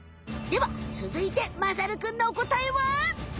では続いてまさるくんのおこたえは？